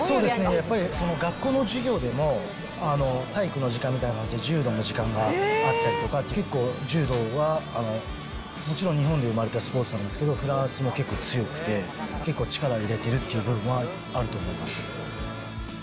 やっぱり学校の授業でも体育の時間みたいなので柔道の時間があったりとか、結構柔道はもちろん、日本で生まれたスポーツなんですけど、フランスも結構強くて、結構力入れてるという部分もあると思うんです。